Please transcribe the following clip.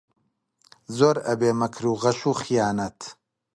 زۆر ئەبێ مەکر و غەش و خەیانەت